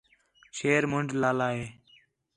شیر منݙ لالا ہِے